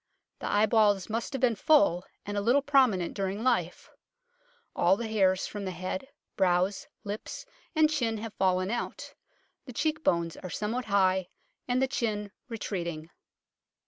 The eyeballs must have been full, and a little promin ent during life : all the hairs from the head, brows, lips and chin have fallen out : the cheek bones are somewhat high and the chin retreating."